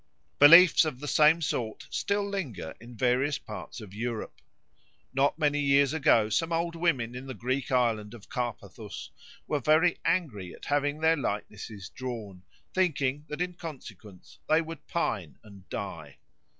Beliefs of the same sort still linger in various parts of Europe. Not very many years ago some old women in the Greek island of Carpathus were very angry at having their likenesses drawn, thinking that in consequence they would pine and die.